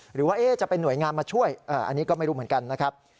หรือว่าจะเป็นหน่วยงานมาช่วยอันนี้ก็ไม่รู้เหมือนกันนะครับ